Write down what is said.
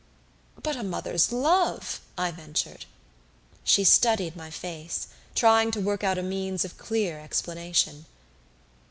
"But a mother's love " I ventured. She studied my face, trying to work out a means of clear explanation.